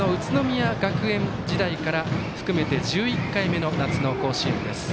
前身の宇都宮学園時代から含めて１１回目の夏の甲子園です。